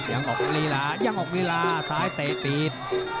ยังออกลีลายังออกลีลาซ้ายเตะตีด